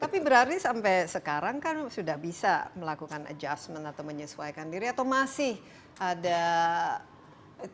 tapi berarti sampai sekarang kan sudah bisa melakukan adjustment atau menyesuaikan diri atau masih ada